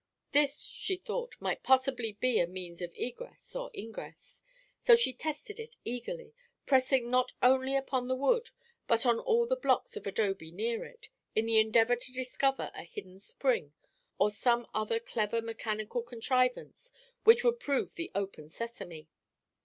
This, she thought, might possibly be a means of egress or ingress, so she tested it eagerly, pressing not only upon the wood but on all the blocks of adobe near it, in the endeavor to discover a hidden spring or some other clever mechanical contrivance which would prove the "open sesame."